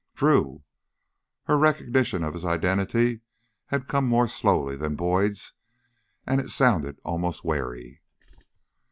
"Drew!" Her recognition of his identity had come more slowly than Boyd's, and it sounded almost wary.